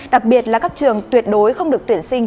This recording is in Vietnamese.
đặc biệt là các trường tuyệt đối không được tuyển sinh